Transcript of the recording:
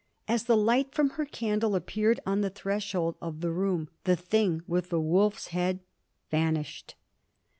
As the light from her candle appeared on the threshold of the room the thing with the wolf's head vanished.